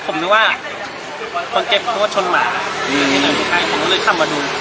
ผมนึกว่าเขาเก็บเพราะว่าชนมาอืมใช่ผมก็เลยเข้ามาดู